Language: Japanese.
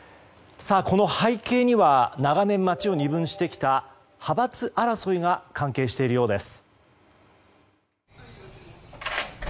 この背景には長年、町を二分してきた派閥争いが関係しているようです。